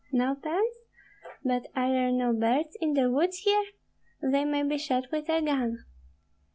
"No pens? But are there no birds in the woods here? They may be shot with a gun."